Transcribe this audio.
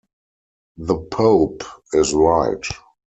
The Pope is right.